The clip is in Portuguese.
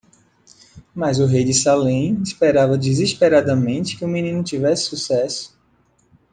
Mas o rei de Salem esperava desesperadamente que o menino tivesse sucesso.